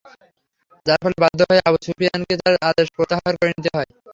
যার ফলে বাধ্য হয়েই আবু সুফিয়ানকে তার আদেশ প্রত্যাহার করে নিতে হয়।